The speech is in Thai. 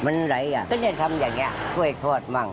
เมื่อไหร่ก็ได้ทำอย่างนี้ช่วยโทษบ้าง